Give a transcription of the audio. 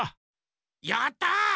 やった！